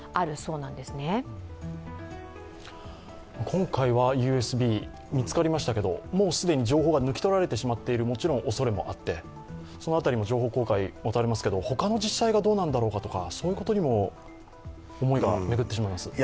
今回はＵＳＢ見つかりましたけれども、もう既に情報が抜き取られてしまっているおそれもあってその辺りも情報公開が待たれますけど、他の自治体はどうかとかそういうことにも思いが巡ってしまいます。